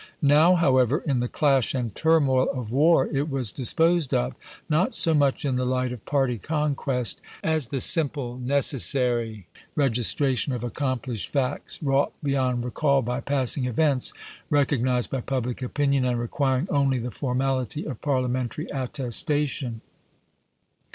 Now, however, in the clash and turmoil of war it was disposed of, not so much in the light of party conquest, as the sim ple necessary registration of accomplished facts, wi'ought beyond recall by passing events, recog nized by public opinion, and requiring only the formality of parliamentary attestation.